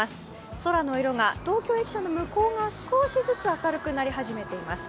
空の色が東京駅舎の向こう少しずつ明るくなり始めています。